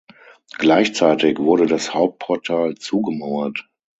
Gleichzeitig wurde das Hauptportal zugemauert.